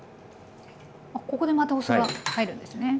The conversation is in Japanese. あっここでまたお酢が入るんですね。